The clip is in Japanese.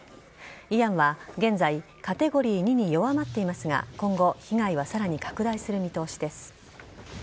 イアンは現在カテゴリー２に弱まっていますが今後、被害はさらに拡大する見通しです。